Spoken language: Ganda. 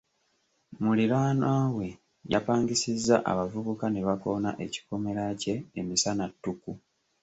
Muliraanwa we yapangisizza abavubuka ne bakoona ekikomera kye emisana ttuku.